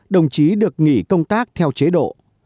đồng chí được nghỉ công tác theo chế độ